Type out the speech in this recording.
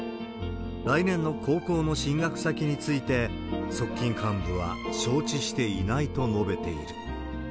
来年の高校の進学先について、側近幹部は承知していないと述べている。